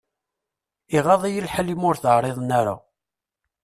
Iɣaḍ-it lḥal imi ur t-εriḍen ara.